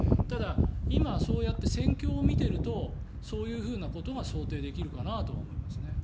ただ、今そうやって戦況を見ているとそういうことが想定できるかなとは思います。